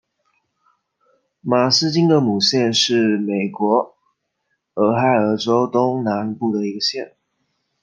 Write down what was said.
马斯金格姆县是美国俄亥俄州东南部的一个县。